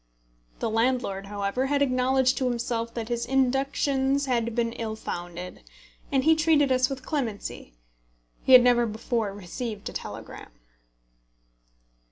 The landlord, however, had acknowledged to himself that his inductions had been ill founded, and he treated us with clemency. He had never before received a telegram.